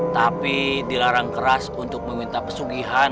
tapi dilarang keras untuk meminta pesugihan